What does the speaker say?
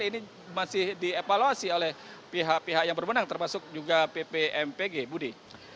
ini masih dievaluasi oleh pihak pihak yang berwenang termasuk juga ppmpg budi